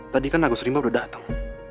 tadi kan agus rimba udah datang